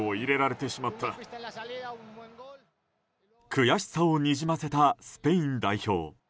悔しさをにじませたスペイン代表。